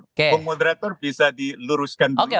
pemoderator bisa diluruskan dulu